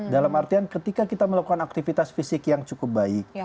dalam artian ketika kita melakukan aktivitas fisik yang cukup baik